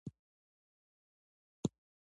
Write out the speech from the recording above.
انارګل ته وویل شول چې ژر کور ته راشي.